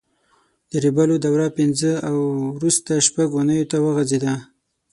د ریبلو دوره پینځه او وروسته شپږ اوونیو ته وغځېده.